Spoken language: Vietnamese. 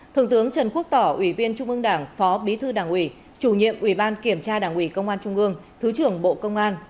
thượng tướng trần quốc tỏ ủy viên trung ương đảng phó bí thư đảng ủy chủ nhiệm ủy ban kiểm tra đảng ủy công an trung ương thứ trưởng bộ công an